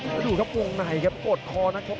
แล้วดูครับวงในครับกดคอนักชก